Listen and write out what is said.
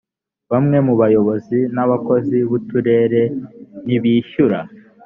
bamwe mu bayobozi n abakozi b uturere ntibishyura